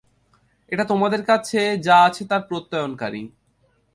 এটা তোমাদের কাছে যা আছে তার প্রত্যয়নকারী।